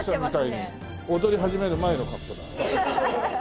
踊り始める前の格好だ。